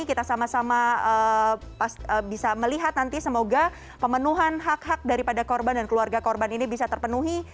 kita sama sama bisa melihat nanti semoga pemenuhan hak hak daripada korban dan keluarga korban ini bisa terpenuhi